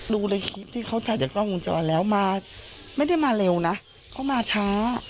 ดูในคลิปที่เขาถ่ายจากกล้องวงจรแล้วมาไม่ได้มาเร็วนะเขามาช้า